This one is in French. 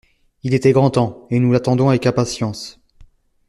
Il était grand temps, et nous l’attendons avec impatience.